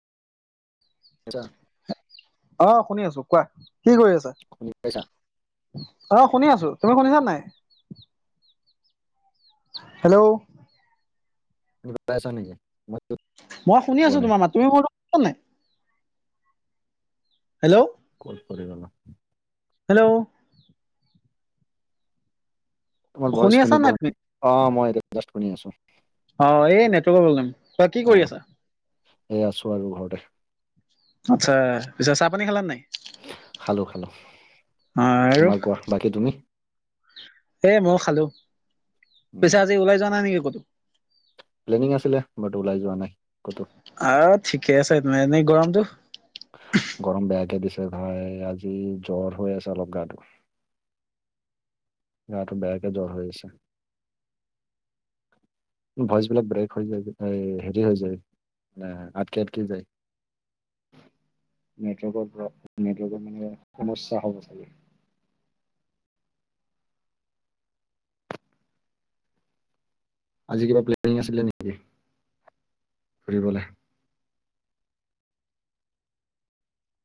এছা অ শুনি আছোঁ, কোৱা কি কৰি আছা? শুনি পাইছা অ, শুনি আছোঁ, তুমি শুনিছা নাই? হেল্ল' তুমি পাই আছা নি মই শুনি আছোঁ তোমাৰ মাত, তুমি নাই, হেল্ল' কচ কৰি গ'ল হেল্ল' তোমাৰ ভয়চ শুনি পোৱা নাই, অ, মই ৰিফ্ৰেছ কৰি আছোঁ। অ, এই নেটৱৰ্কৰ প্ৰব্লেম। তই কি অ, কৰি আছা এ আছোঁ আৰু ঘৰতে। আচ্ছা, পিছে চাহ পানী খালা নে নাই? খালোঁ খালোঁ, অ আৰু তোমাৰ কোৱা, বাকী তুমি? এ মইয়ো খালোঁ, উম পিছে আজি ওলাই যোৱা নাই নেকি ক'তো? প্লেনিং আছিলে বাট ওলাই যোৱা নাই ক'তো আৰু ঠিকে আছে, এনেই গৰমটো? গৰম বেয়াকে দিছে ভাই আজি জ্বৰ হৈ আছে অলপ গাটো গাটো বেয়াকে জ্বৰ হৈ আছে। ভইচবিলাক ব্ৰেক হৈ যায়, হেৰি হৈ যায়। অ', আটকে আটকে যায়। নেটৱৰ্কৰ, নেটৱৰ্কৰ মানে সমস্যা হ'ব চাগে। [inaudible] আজি কিবা প্লেনিং আছিলে নেকি, ফুৰিবলৈ